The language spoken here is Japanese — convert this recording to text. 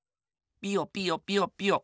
ピヨピヨピヨピヨ。